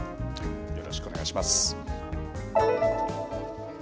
よろしくお願いします。